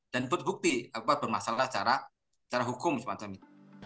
dan bukti bermasalah secara hukum dan sebagainya